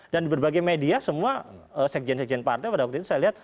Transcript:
dan berbagai media semua sekjen sekjen partai pada waktu itu saya lihat